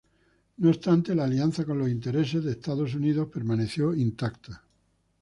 No obstante la alianza con los intereses de Estados Unidos permaneció intacta.